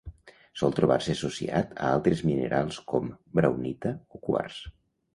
Sol trobar-se associat a altres minerals com: braunita o quars.